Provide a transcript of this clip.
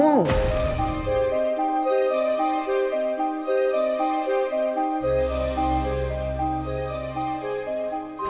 pernah gak tau